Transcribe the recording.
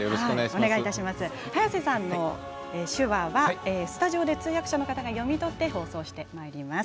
早瀬さんの手話はスタジオで通訳者の方が読み取って放送してくださいます。